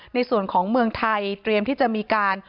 ในส่วนของเมืองไทยเตรียมที่จะมีการ